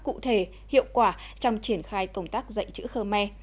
cụ thể hiệu quả trong triển khai công tác dạy chữ khơ me